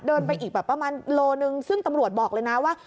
ไปอีกแบบประมาณโลนึงซึ่งตำรวจบอกเลยนะว่า